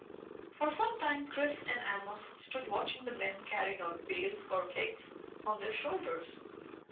For some time Chris and Amos stood watching the men carrying out bales or kegs on their shoulders.